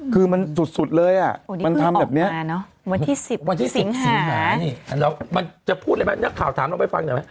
คือมันสุดเลยอ่ะมันทำแบบเนี้ย